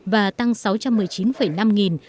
và tăng sáu trăm một mươi chín năm nghìn